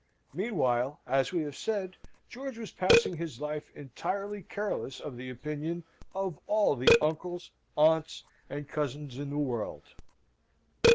Meanwhile, as we have said, George was passing his life entirely careless of the opinion of all the uncles, aunts, and cousins in the world.